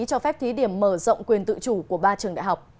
cho phép thí điểm mở rộng quyền tự chủ của ba trường đại học